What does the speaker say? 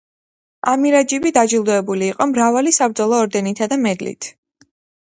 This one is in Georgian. ამირაჯიბი დაჯილდოებული იყო მრავალი საბრძოლო ორდენითა და მედლით.